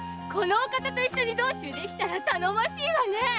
このお方と一緒に道中できたら頼もしいわね！